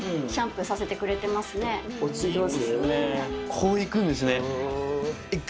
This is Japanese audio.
こういくんですね。